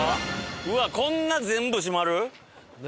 うわっこんな全部閉まる？